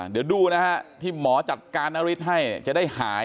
เดี๋ยวดูนะฮะที่หมอจัดการนฤทธิ์ให้จะได้หาย